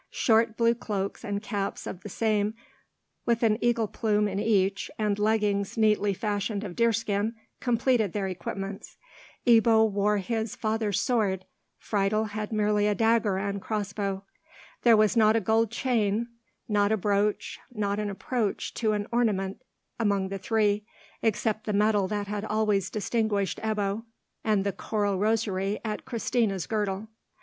Short blue cloaks and caps of the same, with an eagle plume in each, and leggings neatly fashioned of deerskin, completed their equipments. Ebbo wore his father's sword, Friedel had merely a dagger and crossbow. There was not a gold chain, not a brooch, not an approach to an ornament among the three, except the medal that had always distinguished Ebbo, and the coral rosary at Christina's girdle.